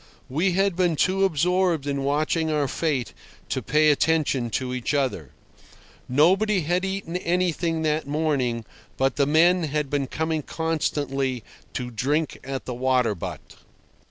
We had been too absorbed in watching our fate to pay attention to each other. Nobody had eaten anything that morning, but the men had been coming constantly to drink at the water butt.